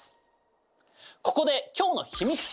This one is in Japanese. ここで今日の秘密兵器！